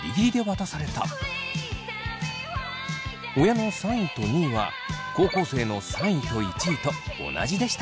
親の３位と２位は高校生の３位と１位と同じでした。